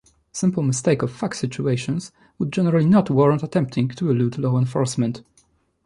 Simple mistake of fact situations would generally not warrant attempting to elude law enforcement.